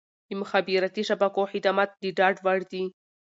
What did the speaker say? د مخابراتي شبکو خدمات د ډاډ وړ وي.